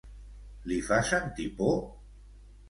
Li fa sentir por?